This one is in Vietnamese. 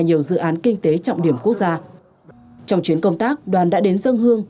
nhiều dự án kinh tế trọng điểm quốc gia trong chuyến công tác đoàn đã đến dân hương